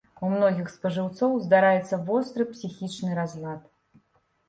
У многіх спажыўцоў здараецца востры псіхічны разлад.